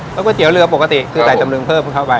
แล้วก๋วยเตี๋ยวเรือปกติคือใส่ตำลึงเพิ่มเข้าไป